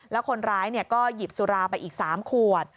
แล้วคนร้ายก็หยิบสุราไปอีก๓ขวด